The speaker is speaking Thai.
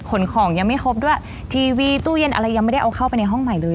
ขนของยังไม่ครบด้วยทีวีตู้เย็นอะไรยังไม่ได้เอาเข้าไปในห้องใหม่เลย